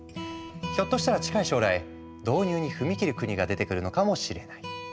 ひょっとしたら近い将来導入に踏み切る国が出てくるのかもしれない。